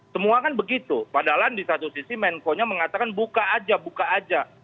semua kan begitu padahal di satu sisi menko nya mengatakan buka aja buka aja